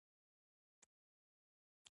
کعبه شریفه ورته مخامخ ده.